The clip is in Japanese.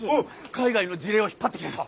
海外の事例を引っ張ってきてさ。